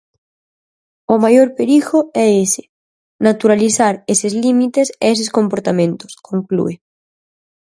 O maior perigo é ese: naturalizar eses límites e eses comportamentos, conclúe.